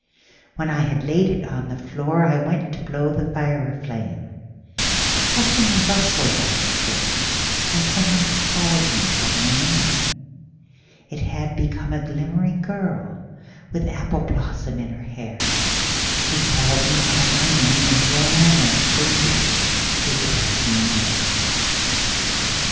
When I had laid it on the floorI went to blow the fire a flame, But something rustled on the floor, And someone called me by my name:It had become a glimmering girlWith apple blossom in her hairWho called me by my name and ranAnd faded through the brightening air.